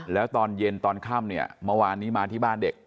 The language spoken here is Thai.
แล้วตอนเย็นตอนค่ำเนี่ยเมื่อวานนี้มาที่บ้านเด็ก